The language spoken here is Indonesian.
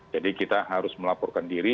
jadi kita harus melaporkan diri